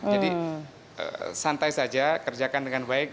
jadi santai saja kerjakan dengan baik